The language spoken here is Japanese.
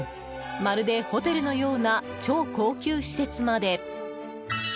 まるでホテルのような超高級施設まで。